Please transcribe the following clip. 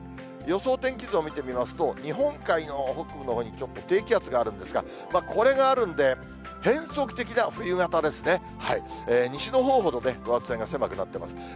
予想天気図を見てみますと、日本海の北部のほうにちょっと低気圧があるんですが、これがあるんで、変則的な冬型ですね、西のほうほど等圧線が狭くなってます。